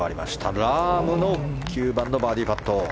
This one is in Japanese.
ラームの９番のバーディーパット。